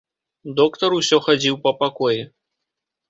Доктар усё хадзіў па пакоі.